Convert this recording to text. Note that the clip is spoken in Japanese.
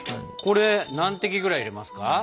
これ何滴ぐらい入れますか？